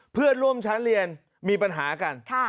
เพื่อนร่วมชั้นเรียนมีปัญหากัน